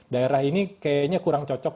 daerah ini kayaknya kurang cocok